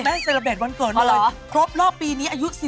นั่นแม่เซโลเบียดวันเกินเลยพบรอบปีนี้อะไร